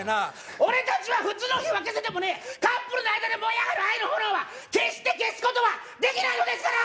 俺達は普通の火は消せてもねカップルの間で燃え上がる愛の炎は決して消すことはできないのですから！